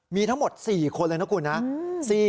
มีทั้งหมด๔คนเลยนะคุณนะ